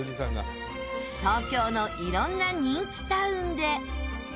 東京の色んな人気タウンで。